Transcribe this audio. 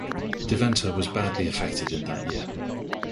Deventer was badly affected in that year.